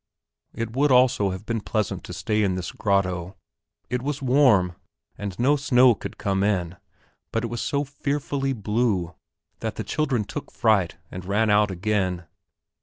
It would also have been pleasant to stay in this grotto, it was warm and no snow could come in; but it was so fearfully blue that the children took fright and ran out again.